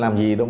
làm gì đâu